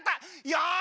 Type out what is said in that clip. よし！